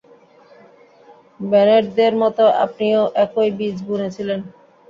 বেনেটদের মতো আপনিও একই বীজ বুনেছিলেন?